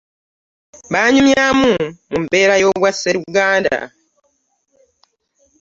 Banyumyamu mu mbeera ey'obwasseruganda.